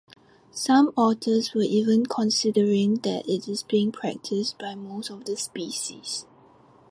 Some authors were even considering that it is being practice by most of the species.